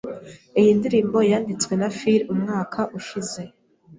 Iyi ndirimbo yanditswe na Phil umwaka ushize.